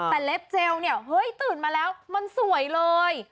แต่เล็บเจลเนี่ยเฮ้ยตื่นมาแล้วมันสวยเลย